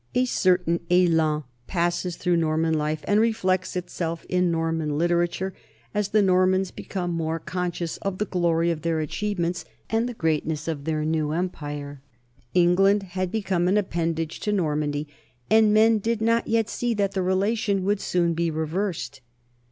A certain ilan passes through Norman life and reflects itself in Norman literature, as the Normans become more con scious of the glory of their achievements and the great 82 NORMANS IN EUROPEAN HISTORY ness of their new empire. England had become an ap pendage to Normandy, and men did not yet see that the relation would soon be reversed.